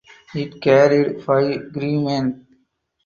It carried five crewmen.